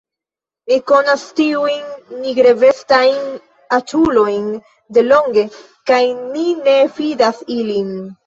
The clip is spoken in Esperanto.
Mi konas tiujn nigravestajn aĉulojn delonge, kaj mi ne fidas ilin.